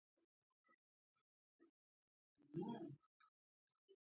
کلي د افغانستان د اقتصاد یوه برخه ده.